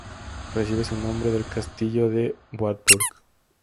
Recibe su nombre del castillo de Wartburg.